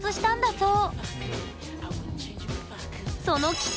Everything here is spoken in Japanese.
そう